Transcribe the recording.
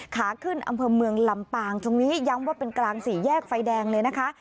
ขาขึ้นอำเภอเมืองลำปางตรงนี้ย้ำว่าเป็นกลางสี่แยกไฟแดงเลยนะคะ